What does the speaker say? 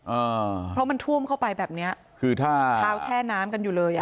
อ่าเพราะมันท่วมเข้าไปแบบเนี้ยคือถ้าเท้าแช่น้ำกันอยู่เลยอ่ะ